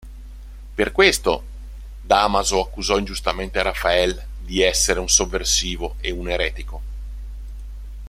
Per questo, Dámaso accusò ingiustamente Rafael di essere un sovversivo e un eretico.